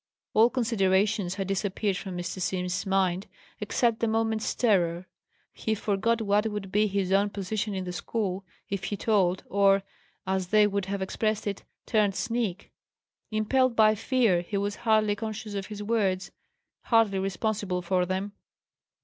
All considerations had disappeared from Mr. Simms's mind except the moment's terror. He forgot what would be his own position in the school, if he told, or as they would have expressed it turned sneak. Impelled by fear, he was hardly conscious of his words; hardly responsible for them.